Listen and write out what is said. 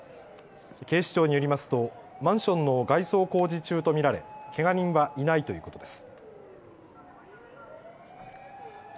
警視庁によりますとマンションの外装工事中と見られけが人はいないということです。